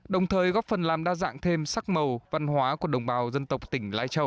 đồng thời góp phần làm đa dạng thêm sắc màu văn hóa của đồng bào dân tộc tỉnh lai châu